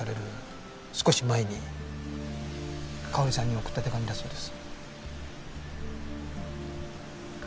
少し前に佳保里さんに送った手紙だそうです。